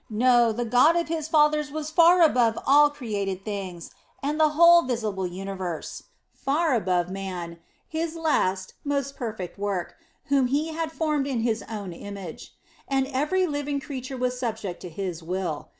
No, the God of his fathers was far above all created things and the whole visible universe, far above man, His last, most perfect work, whom He had formed in His own image; and every living creature was subject to His will.